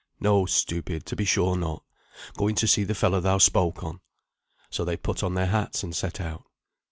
"No, stupid, to be sure not. Going to see the fellow thou spoke on." So they put on their hats and set out.